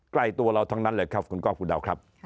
ใกล้ตัวเราทั้งนั้นเลยครับคุณก้อคุณดาวครับ